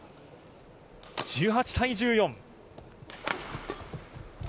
１８対１４。